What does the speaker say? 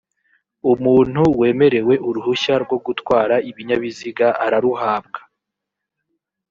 umuntu wemerewe uruhushya rwo gutwara ibinyabiziga araruhabwa